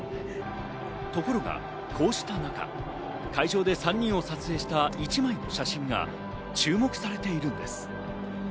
ところがこうした中、会場で３人を撮影した１枚の写真が注目されているのです。